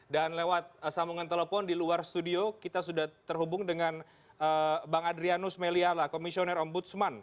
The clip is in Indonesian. dan lewat sambungan telepon di luar studio kita sudah terhubung dengan bang adrianus meliala komisioner ombudsman